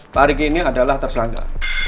pada hari ini adalah tersangka